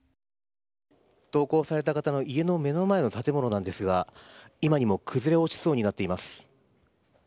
投稿された方の家の目の前の建物なんですが今にも崩れ落ちそうになっています。